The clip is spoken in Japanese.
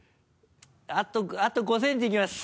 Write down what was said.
あと５ｃｍいきます。